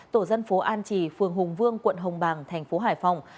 tổ dân phố an trì phường hùng vương quận hồng bàng thành phố hải phòng